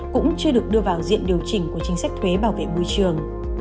cũng chưa được đưa vào diện điều chỉnh của chính sách thuế bảo vệ môi trường